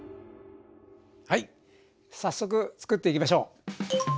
はい早速つくっていきましょう。